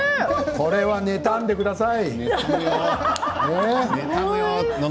これは妬んでください。